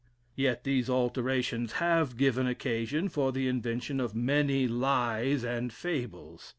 Yet these alterations have given occasion for the invention of many lies and fables.